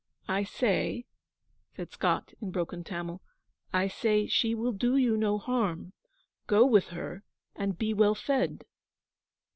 'I say,' said Scott, in broken Tamil, 'I say, she will do you no harm. Go with her and be well fed.'